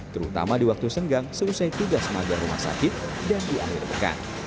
terutama di waktu senggang selesai tugas maga rumah sakit dan di akhir pekan